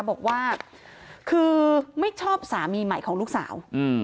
บอกว่าคือไม่ชอบสามีใหม่ของลูกสาว